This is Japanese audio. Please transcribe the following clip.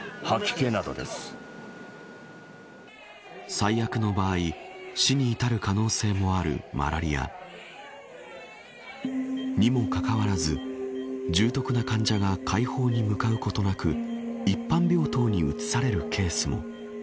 最悪の場合死に至る可能性もあるマラリア。にもかかわらず重篤な患者が快方に向かうことなく一般病棟に移されるケースも。